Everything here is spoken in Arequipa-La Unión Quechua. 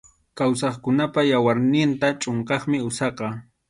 Kawsaqkunap yawarnin chʼunqaqmi usaqa.